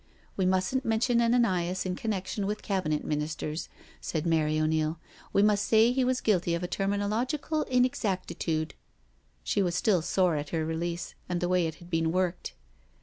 " We mustn't mention Ananias in connection with Cabinet Ministers,*' said Mary O'Neil, " we must say he was guilty of a terminological inexactitude." She was still sore at her release, and the way it had been worked.